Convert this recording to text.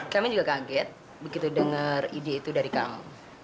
kami juga kaget begitu denger ide itu dari kami